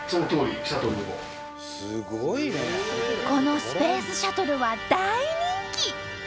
このスペースシャトルは大人気！